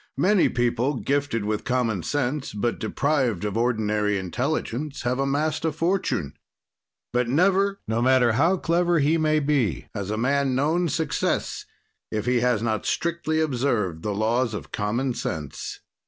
Many people gifted with common sense but deprived of ordinary intelligence have amassed a fortune, but never, no matter how clever he may be, has a man known success, if he has not strictly observed the laws of common sense.